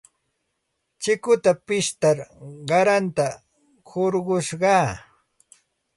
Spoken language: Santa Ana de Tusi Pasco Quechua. Chikuta pishtar qaranta hurqushqaa.